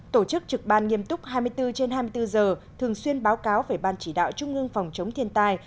tổ chức trực ban nghiêm túc hai mươi bốn trên hai mươi bốn giờ thường xuyên báo cáo về ban chỉ đạo trung ương phòng chống thiên tai